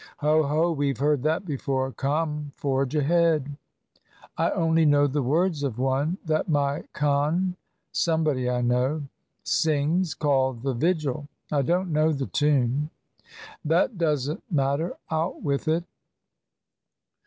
"Ho, ho! we've heard that before. Come, forge ahead." "I only know the words of one that my con somebody I know sings, called the Vigil. I don't know the tune." "That doesn't matter out with it."